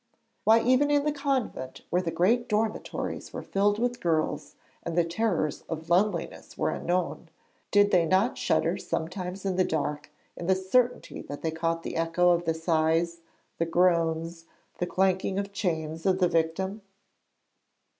Why, even in the convent, where the great dormitories were filled with girls and the terrors of loneliness were unknown, did they not shudder sometimes in the dark in the certainty that they caught the echo of the sighs, the groans, the clanking of chains of the victim?